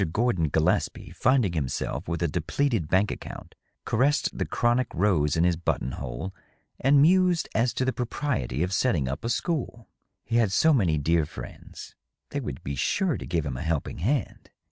Gordon Gillespie, finding himself with a depleted bank account, caressed the chronic rose in his button hole and mused as to the pro priety of setting up a school. He had so many dear friends ; they would be sure to give him a helping hand.